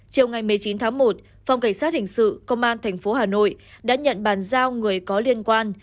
chiều ngày một mươi chín tháng một phòng cảnh sát hình sự công an tp hà nội đã nhận bàn giao người có liên quan